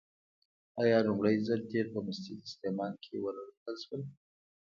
آیا لومړی ځل تیل په مسجد سلیمان کې ونه موندل شول؟